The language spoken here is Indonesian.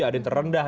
ada yang terendah